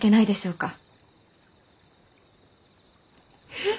えっ！？